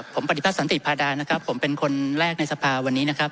ผมปฏิพัฒสันติภาดานะครับผมเป็นคนแรกในสภาวันนี้นะครับ